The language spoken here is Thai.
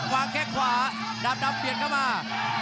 วางแค่ขวาดาบเปลี่ยนเข้ามา